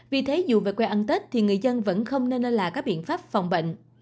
vì thế dù về quê ăn tết thì người dân vẫn không nên là các biện pháp phòng bệnh